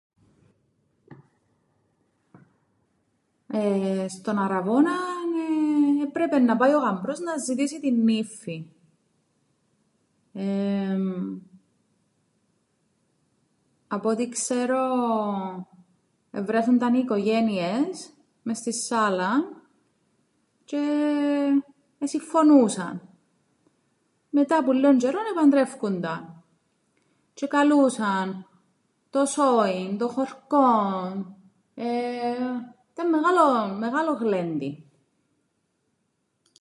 Εεε στον αρραβώναν, εεε, έπρεπεν να πάει ο γαμπρός να ζητήσει την νύφφην εεεμ απ' ό,τι ξ̆έρω εβρέθουνταν οι οικογένειες μες στην σάλαν τζ̆αι εσυμφωνούσαν, μετά που λλίον τζ̆αιρόν επαντρεύκουνταν τζ̆αι εκαλούσαν το σόιν, το χωρκόν, ε, ήταν μεγάλον μεγάλον γλέντιν.